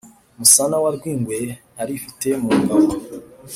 musana wa rwingwe arifite mu ngabo.